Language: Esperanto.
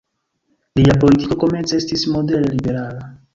Lia politiko komence estis modere liberala.